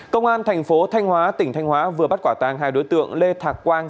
công an thành phố thanh hóa tỉnh thanh hóa vừa bắt quả tàng hai đối tượng lê thạc quang